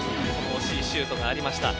惜しいシュートがありました。